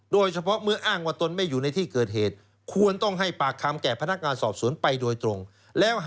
เดี๋ยว